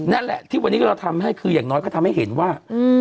นั่นแหละที่วันนี้เราทำให้คืออย่างน้อยก็ทำให้เห็นว่า